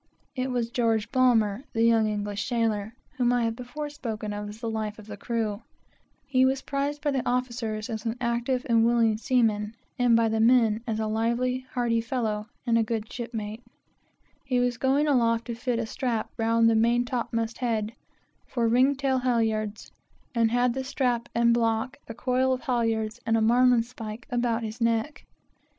It was George Ballmer, a young English sailor, who was prized by the officers as an active lad and willing seaman, and by the crew as a lively, hearty fellow, and a good shipmate. He was going aloft to fit a strap round the main top mast head, for ringtail halyards, and had the strap and block, a coil of halyards and a marline spike about his neck.